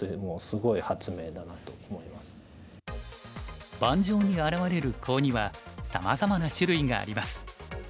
更に盤上に現れるコウにはさまざまな種類があります。